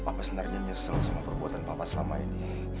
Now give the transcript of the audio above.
papa sebenernya nyesel sama perbuatan papa selama ini